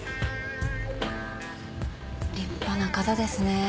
立派な方ですねぇ。